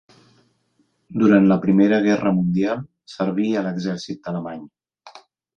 Durant la Primera Guerra Mundial serví a l'exèrcit alemany.